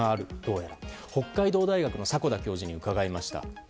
北海道大学の迫田教授に伺いました。